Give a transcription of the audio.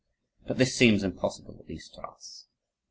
But this seems impossible, at least to us.